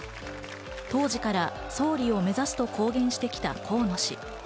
当時から総理を目指すと公言してきた河野氏。